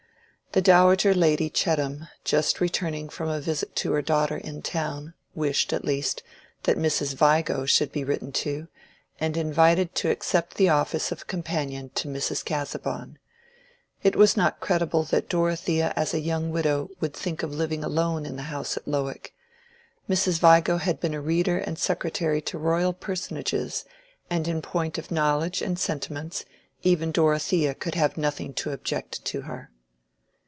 The Dowager Lady Chettam, just returned from a visit to her daughter in town, wished, at least, that Mrs. Vigo should be written to, and invited to accept the office of companion to Mrs. Casaubon: it was not credible that Dorothea as a young widow would think of living alone in the house at Lowick. Mrs. Vigo had been reader and secretary to royal personages, and in point of knowledge and sentiments even Dorothea could have nothing to object to her.